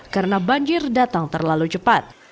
karena banjir datang terlalu cepat